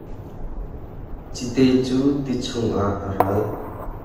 Cite cu ti chungah a ral.